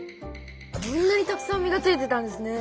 こんなにたくさん実がついてたんですね。